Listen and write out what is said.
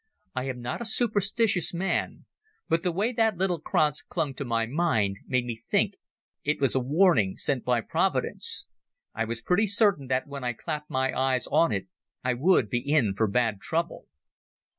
I am not a superstitious man, but the way that little kranz clung to my mind made me think it was a warning sent by Providence. I was pretty certain that when I clapped eyes on it I would be in for bad trouble.